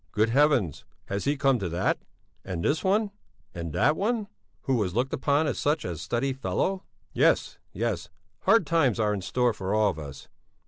"Good Heavens! Has he come to that? And this one and that one who was looked upon as such a steady fellow! Yes, yes hard times are in store for all of us.